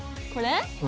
これ？